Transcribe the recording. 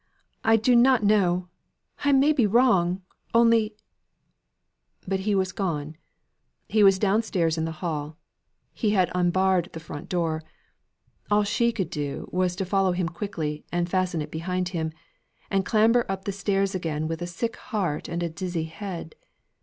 I do not know I may be wrong only " But he was gone; he was downstairs in the hall; he had unbarred the front door; all she could do, was to follow him quickly, and fasten it behind him, and clamber up the stairs again with a sick heart and a dizzy head.